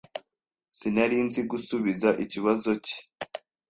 Sinari nzi gusubiza ikibazo cye.